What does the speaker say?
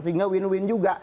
sehingga win win juga